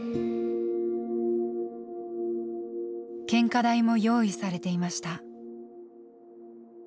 献花台も用意されていました。